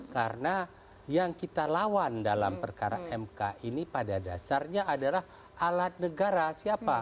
karena yang kita lawan dalam perkara mk ini pada dasarnya adalah alat negara siapa